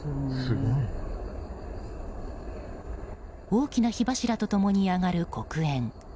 大きな火柱と共に上がる黒煙。